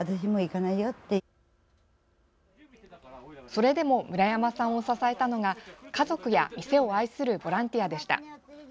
それでも村山さんを支えたのが、家族や店を愛するボランティアでした。